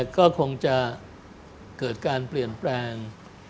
ก็คงจะเกิดการเปลี่ยนแปลง